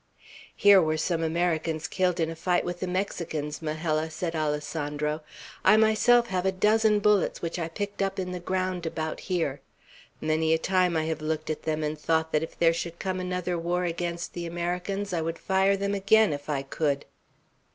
"Here were some Americans killed, in a fight with the Mexicans, Majella," said Alessandro. "I myself have a dozen bullets which I picked up in the ground about here. Many a time I have looked at them and thought if there should come another war against the Americans, I would fire them again, if I could.